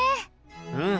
うん。